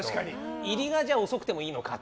入りが遅くてもいいのかと。